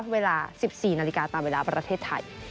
เวลา๑๔นาฬิกาตามเวลาประเทศไทย